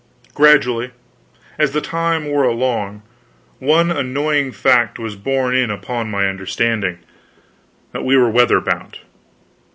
Gradually, as the time wore along, one annoying fact was borne in upon my understanding that we were weather bound.